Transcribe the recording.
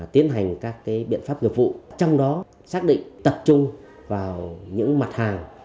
tiến hành các biện pháp nghiệp vụ trong đó xác định tập trung vào những mặt hàng